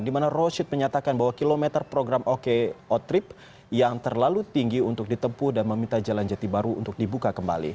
di mana roshid menyatakan bahwa kilometer program oko trip yang terlalu tinggi untuk ditempuh dan meminta jalan jati baru untuk dibuka kembali